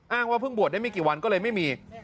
ว่าเพิ่งบวชได้ไม่กี่วันก็เลยไม่มี